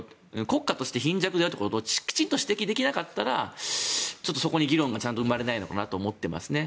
国家として貧弱であるということをきちんと指摘できなかったらちょっと、そこに議論が生まれないのかなと思ってますね。